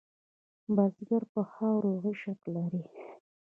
بزګر په خاوره عشق لري